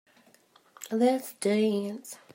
Let's dance.